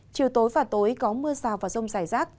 chiều tối và tối có mưa rào và rông rải rác